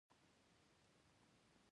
د دغه پوځ مقصد د اسلامي دولتونو اتحاد وو.